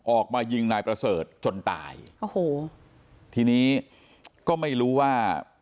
ออกมายิงนายประเสริฐจนตายโอ้โหทีนี้ก็ไม่รู้ว่า